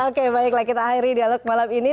oke baiklah kita akhiri dialog malam ini